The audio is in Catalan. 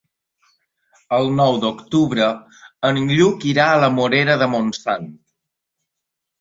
El nou d'octubre en Lluc irà a la Morera de Montsant.